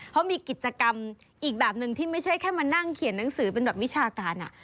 เขามีกิจกรรมอีกแบบหนึ่งที่ไม่ใช่แค่มานั่งเขียนหนังสือเป็นแบบวิชาการ